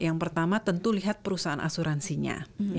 yang pertama tentu lihat perusahaan asuransinya